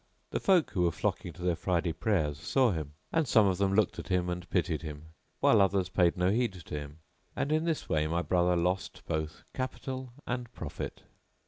The folk who were flocking to their Friday prayers saw him; and some of them looked at him and pitied him, whilst others paid no heed to him, and in this way my brother lost both capital and profit.